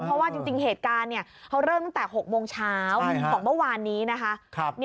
เพราะว่าจริงเหตุการณ์เขาเริ่มตั้งแต่๖โมงเช้าของเมื่อวานนี้นะคะ